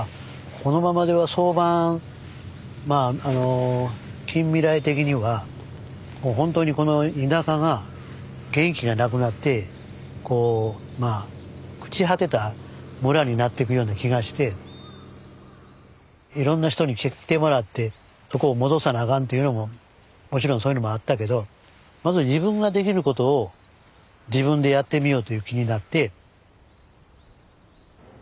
このままでは早晩近未来的にはほんとにこの田舎が元気がなくなって朽ち果てた村になってくような気がしていろんな人に来てもらってそこを戻さなあかんというのももちろんそういうのもあったけどまずは自分ができることを自分でやってみようという気になって。